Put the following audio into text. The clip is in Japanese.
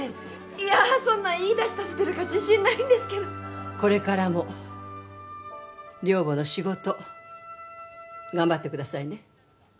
いやそんないい出汁出せてるか自信ないんですけどこれからも寮母の仕事頑張ってくださいね